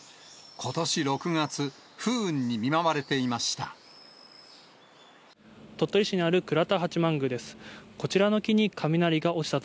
ことし６月、不運に見舞われていました。